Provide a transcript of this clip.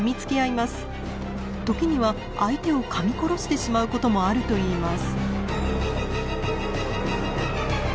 時には相手をかみ殺してしまうこともあるといいます。